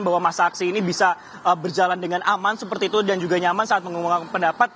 bahwa masa aksi ini bisa berjalan dengan aman seperti itu dan juga nyaman saat mengumumkan pendapat